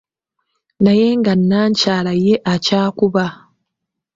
Naye nga nnakyala ye akyakuba